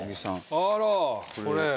あらこれ。